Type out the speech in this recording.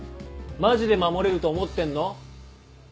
マジで守れると思ってんの？